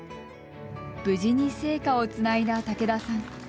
無事に聖火をつないだ竹田さん。